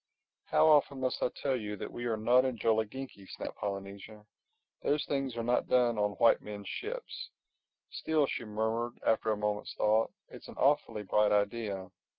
"How often must I tell you that we are not in Jolliginki," snapped Polynesia. "Those things are not done on white men's ships—Still," she murmured after a moment's thought, "it's an awfully bright idea.